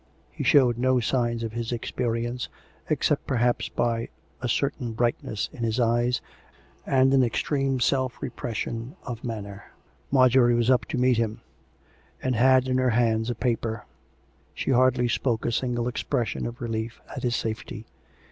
He showed no signs of his experi ence, except perhaps by a certain brightness in his eyes and an extreme self repression of manner. Marjorie was up to meet him ; and had in lier hands a paper. She hardly spoke a single expression of relief at his safety.